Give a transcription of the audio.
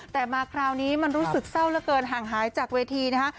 แต่มาคราวนี้มันรู้สึกเศร้าเหลือเกินห่างหายจากเวทีนะคะ